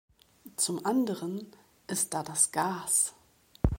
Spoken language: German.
Zum anderen ist da das Gas.